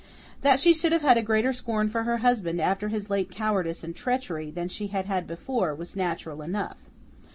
That she should have had a greater scorn for her husband after his late cowardice and treachery than she had had before, was natural enough.